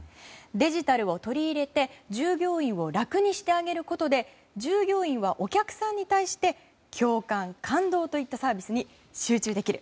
デジタルを取り入れて従業員を楽にしてあげることで従業員はお客さんに対して共感・感動といったサービスに集中できる。